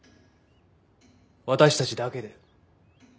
私たちだけで。